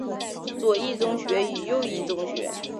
左翼宗学与右翼宗学。